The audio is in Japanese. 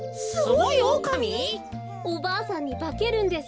おばあさんにばけるんです。